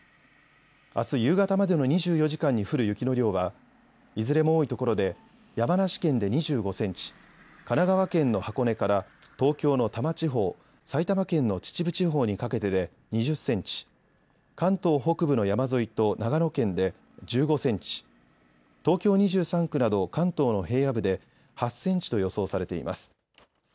あす夕方までの２４時間に降る雪の量はいずれも多いところで山梨県で２５センチ、神奈川県の箱根から、東京の多摩地方、埼玉県の秩父地方にかけてで２０センチ、関東北部の山沿いと長野県で１５センチ、東京２３区など関東の平野部で８センチと予想されています。